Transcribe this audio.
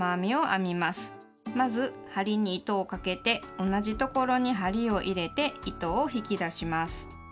まず針に糸をかけて同じところに針を入れて糸を引き出します。